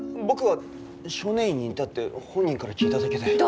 僕は少年院にいたって本人から聞いただけで。